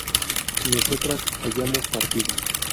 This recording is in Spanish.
nosotras hayamos partido